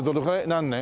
何年？